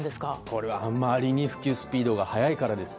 これ、あまりに普及スピードが速いからです。